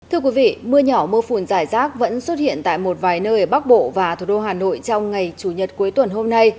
thưa quý vị mưa nhỏ mưa phùn giải rác vẫn xuất hiện tại một vài nơi ở bắc bộ và thủ đô hà nội trong ngày chủ nhật cuối tuần hôm nay